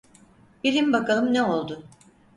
Bilin bakalım ne oldu?